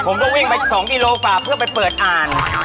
ผมก็วิ่งไป๒กิโลฝ่าเพื่อไปเปิดอ่าน